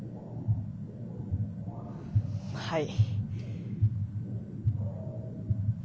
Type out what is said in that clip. はい。